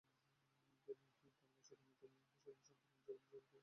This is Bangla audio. কিন্তু তাঁর ভাশুর মৃত মিয়া হোসেনের সন্তানেরা জমির পরিমাপ মানতে অস্বীকার করেন।